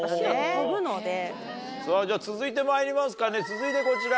続いてまいりますかね続いてこちら。